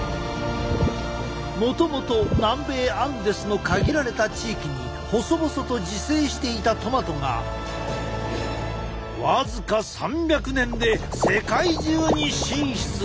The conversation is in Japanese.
もともと南米アンデスの限られた地域に細々と自生していたトマトが僅か３００年で世界中に進出！